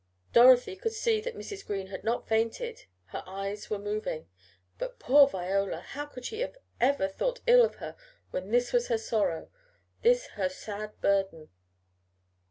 Dorothy could see that Mrs. Green had not fainted her eyes were moving. But poor Viola! How could they ever have thought ill of her when this was her sorrow: this her sad burden!